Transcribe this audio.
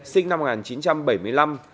sinh năm một nghìn chín trăm bảy mươi năm